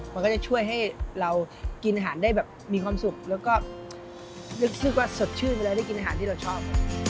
มันก็จะช่วยให้เรากินอาหารได้แบบมีความสุขแล้วก็รู้สึกว่าสดชื่นเวลาได้กินอาหารที่เราชอบ